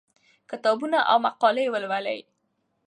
کتابونه او مقالې ولولئ.